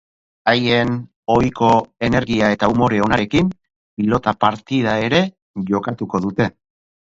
Haien ohiko energia eta umore onarekin, pilota partida ere jokatuko dute.